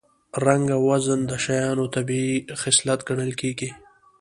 رنګ او وزن د شیانو طبیعي خصلت ګڼل کېږي